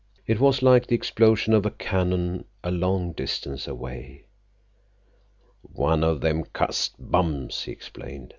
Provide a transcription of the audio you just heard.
It was like the explosion of a cannon a long distance away. "One of them cussed bums," he explained.